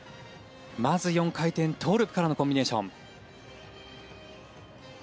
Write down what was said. まず４回転トウループからのコンビネーション。